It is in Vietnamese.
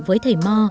với thầy mò